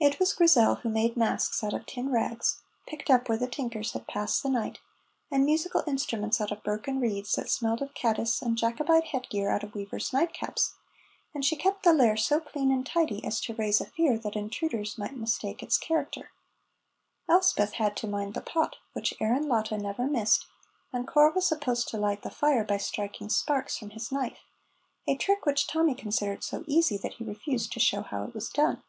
It was Grizel who made masks out of tin rags, picked up where tinkers had passed the night, and musical instruments out of broken reeds that smelled of caddis and Jacobite head gear out of weaver's night caps; and she kept the lair so clean and tidy as to raise a fear that intruders might mistake its character. Elspeth had to mind the pot, which Aaron Latta never missed, and Corp was supposed to light the fire by striking sparks from his knife, a trick which Tommy considered so easy that he refused to show how it was done.